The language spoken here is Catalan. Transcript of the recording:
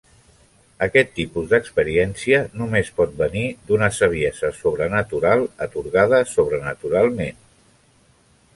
Aquest tipus d'experiència només pot venir d'una saviesa sobrenatural atorgada sobrenaturalment.